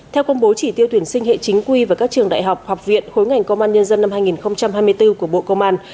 theo công bố chỉ tiêu tuyển sinh hệ chính quy và các trường đại học học viện khối ngành công an nhân dân năm hai nghìn hai mươi bốn của bộ công an